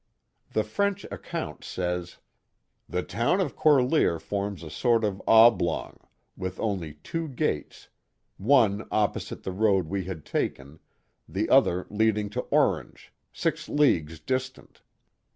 The French account says: The town of Corlear forms a sort of oblong, with only two gates — one opposite the road we had taken, the other leading to Orange, six leagues distant.